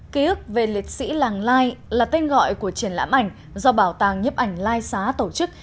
ký ức về liệt sĩ làng lai là tên gọi của triển lãm ảnh do bảo tàng nhiếp ảnh lai xá tổ chức